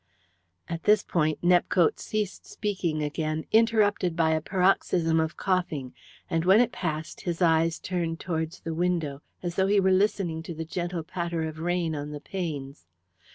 At this point Nepcote ceased speaking again, interrupted by a paroxysm of coughing, and when it passed his eyes turned towards the window, as though he were listening to the gentle patter of rain on the panes.